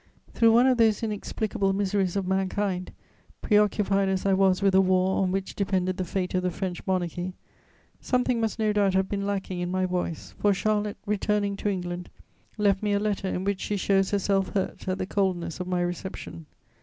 Through one of those inexplicable miseries of mankind, preoccupied as I was with a war on which depended the fate of the French Monarchy, something must no doubt have been lacking in my voice, for Charlotte, returning to England, left me a letter in which she shows herself hurt at the coldness of my reception.